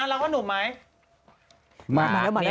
แล้วพ่อหนุ่มมั้ย